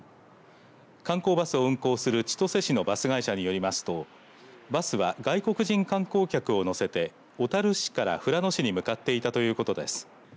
観光バスを運行する千歳市のバス会社によりますとバスは外国人観光客を乗せて小樽市から富良野市に向かっていたということです。